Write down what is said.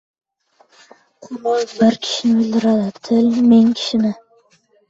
• Qurol bir kishi o‘ldiradi, til ― ming kishini.